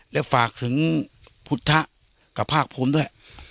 และฝากถึงพุทธกับภาคภูมิด้วย